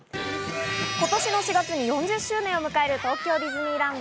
今年の４月に４０周年を迎える東京ディズニーランド。